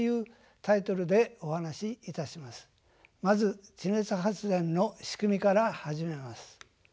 まず地熱発電の仕組みから始めます。